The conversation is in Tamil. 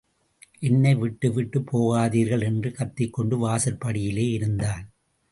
என்னை விட்டுவிட்டுப் போகாதீர்கள்! என்று கத்திக் கொண்டு வாசற்படியிலே இருந்தான்.